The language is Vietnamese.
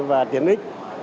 và tiến ích